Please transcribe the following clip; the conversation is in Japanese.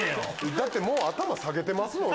だってもう頭下げてますもん。